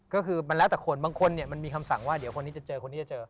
ก็คือมันแล้วแต่คนบางคนเนี่ยมันมีคำสั่งว่าเดี๋ยวคนนี้จะเจอคนนี้จะเจอ